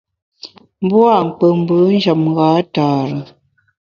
Mbua’ nkpù mbù njem gha tare.